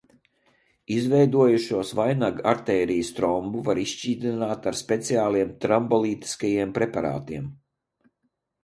Izveidojušos vainagartērijas trombu var izšķīdināt ar speciāliem trombolītiskajiem preparātiem.